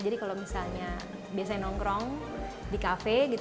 jadi kalau misalnya biasanya nongkrong di kafe